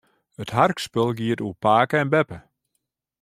It harkspul giet oer pake en beppe.